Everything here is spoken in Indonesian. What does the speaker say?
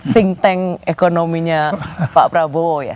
thing tank ekonominya pak prabowo ya